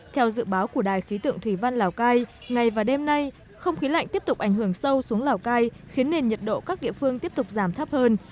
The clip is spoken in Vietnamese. theo dự báo của đài khí tượng thủy văn lào cai ngày và đêm nay không khí lạnh tiếp tục ảnh hưởng sâu xuống lào cai khiến nền nhiệt độ các địa phương tiếp tục giảm thấp hơn